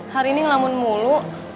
hari ini ngelamun mulu